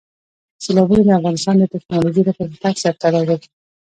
سیلابونه د افغانستان د تکنالوژۍ له پرمختګ سره تړاو لري.